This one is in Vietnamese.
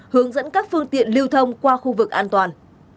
hướng dẫn các phương tiện lưu thông qua khu vực an toàn